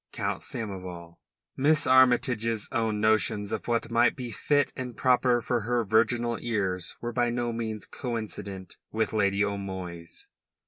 COUNT SAMOVAL Miss Armytage's own notions of what might be fit and proper for her virginal ears were by no means coincident with Lady O'Moy's.